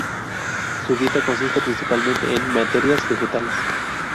Su dieta consiste principalmente en materias vegetales.